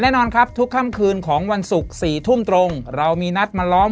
แน่นอนครับทุกค่ำคืนของวันศุกร์๔ทุ่มตรงเรามีนัดมาล้อม